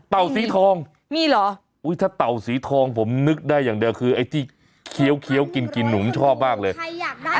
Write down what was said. เต่าสีทองอุ๊ยถ้าเต่าสีทองผมนึกได้อย่างเดียวคือไอ้ที่เคี้ยวกินหนูชอบมากเลย